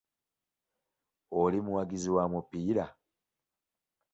Oli muwagizi wa mupiira?